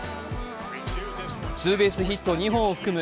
ツーベースヒット２本を含む